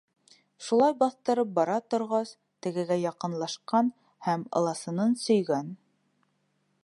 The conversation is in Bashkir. Шулай баҫтырып бара торғас, тегегә яҡынлашҡан һәм ыласынын сөйгән.